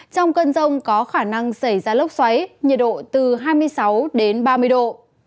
trong cơn rông có khả năng xảy ra lốc xoáy nhiệt độ từ hai mươi sáu đến ba mươi độ